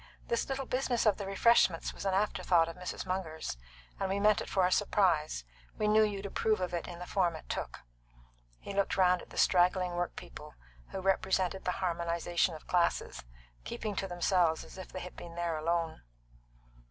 This little business of the refreshments was an afterthought of Mrs. Munger's, and we meant it for a surprise we knew you'd approve of it in the form it took." He looked round at the straggling workpeople, who represented the harmonisation of classes, keeping to themselves as if they had been there alone.